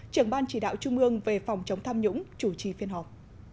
trưởng ban chỉ đạo trung ương về phòng chống tham nhũng chủ trì phiên họp